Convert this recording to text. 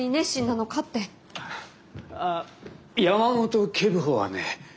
あ山本警部補はね